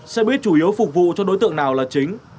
xe buýt chủ yếu phục vụ cho đối tượng nào là chính